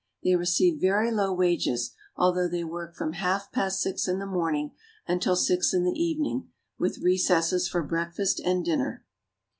They receive very low wages, although they work from half past six in the morning until six in the evening, with recesses for breakfast and dinner.